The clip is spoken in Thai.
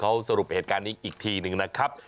เขาสรุปเหตุการณ์นี้อีกทีหนึ่งนะครับ